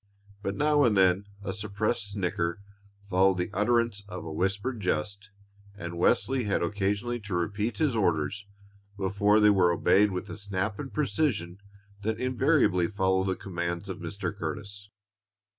But now and then a suppressed snicker followed the utterance of a whispered jest, and Wesley had occasionally to repeat his orders before they were obeyed with the snap and precision that invariably followed the commands of Mr. Curtis.